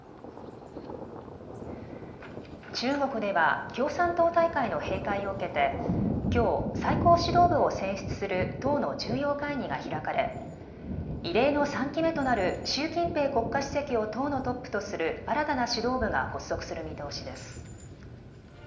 中国では共産党大会の閉会を受けてきょう最高指導部を選出する党の重要会議が開かれ異例の３期目となる習近平国家主席を党のトップとする新たな指導部が発足する見通しです。